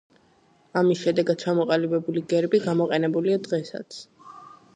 ამის შედეგად ჩამოყალიბებული გერბი გამოყენებულია დღესაც.